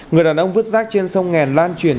người đàn ông vứt rác trên sông nghèn lan truyền